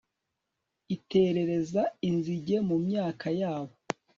iterereza inzige mu myaka yabo